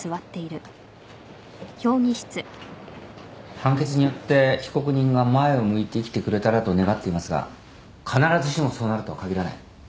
判決によって被告人が前を向いて生きてくれたらと願っていますが必ずしもそうなるとは限らない。